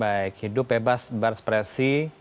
baik hidup bebas berespresi